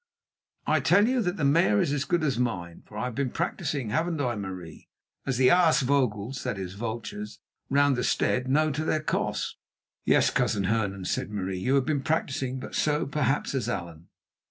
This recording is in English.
"I tell you that the mare is as good as mine, for I have been practising, haven't I, Marie? as the aasvogels" (that is, vultures) "round the stead know to their cost." "Yes, Cousin Hernan," said Marie, "you have been practising, but so, perhaps, has Allan."